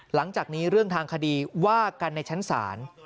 หลังจากนี้เรื่องทางคดีว่ากันในชั้นศาล